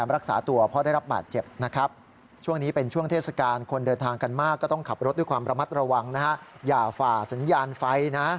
ระวังนะฮะอย่าฝ่าสัญญาณไฟนะ